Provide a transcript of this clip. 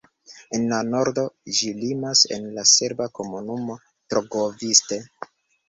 En la nordo ĝi limas al la serba komunumo Trgoviste.